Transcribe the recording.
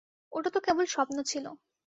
ওটা তো কেবল স্বপ্ন ছিল।